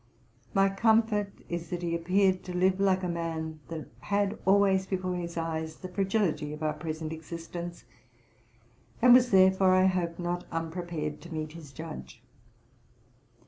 My comfort is, that he appeared to live like a man that had always before his eyes the fragility of our present existence, and was therefore, I hope, not unprepared to meet his judge.